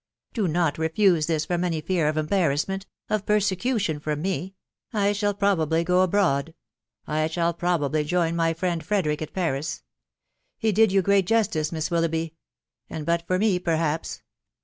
Do not refuse this from any fear of embarrassment .... of persecution from me. ... 1 shall probably go abroad .... I shall probably join my friend Frederick at Paris. He did you great justice, Miss Willoughby ;.... and, but for me, perhaps